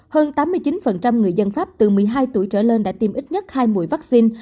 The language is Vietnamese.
hơn tám mươi chín người dân pháp từ một mươi hai tuổi trở lên đã tiêm ít nhất hai mũi vaccine